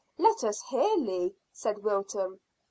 "Let us hear, Lee," said Wilton.